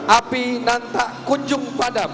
api nanta kunjung padam